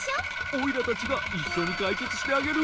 オイラたちがいっしょにかいけつしてあげる。